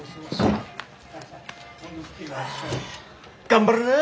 頑張るな。